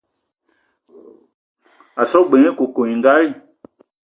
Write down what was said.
A so gne g-beu nye koukouningali.